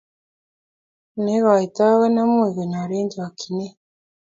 ne igoitoi ko ne mukunyoru eng' chokchinet